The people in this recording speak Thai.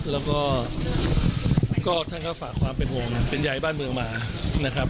แล้วก็ท่านก็ฝากความเป็นห่วงเป็นใยบ้านเมืองมานะครับ